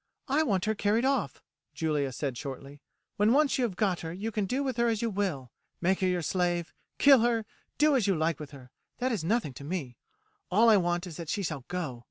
"I want her carried off," Julia said shortly. "When once you have got her you can do with her as you will; make her your slave, kill her, do as you like with her, that is nothing to me all I want is that she shall go.